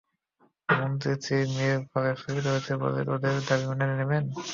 মন্ত্রীর স্ত্রী-মেয়ের গলায় ছুরি ধরেছে বলে ওদের দাবি মেনে নেবেন!